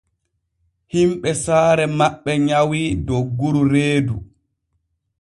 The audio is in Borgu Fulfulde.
Himɓe saare maɓɓe nyawii dogguru reedu.